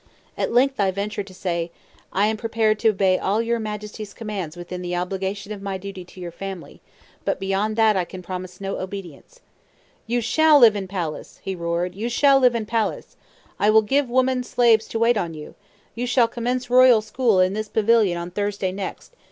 At length I ventured to say, "I am prepared to obey all your Majesty's commands within the obligation of my duty to your family, but beyond that I can promise no obedience." "You shall live in palace," he roared, "you _shall _live in palace! I will give woman slaves to wait on you. You shall commence royal school in this pavilion on Thursday next.